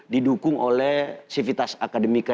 didukung oleh sivitas akademika